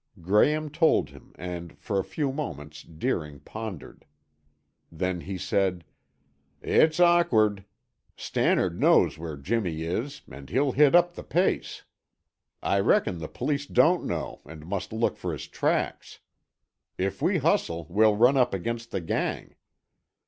Graham told him and for a few moments Deering pondered. Then he said, "It's awkward! Stannard knows where Jimmy is, and he'll hit up the pace. I reckon the police don't know and must look for his tracks. If we hustle, we'll run up against the gang."